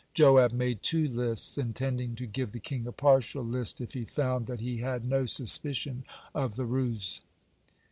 Joab made two lists, intending to give the king a partial list if he found that he had no suspicion of the ruse.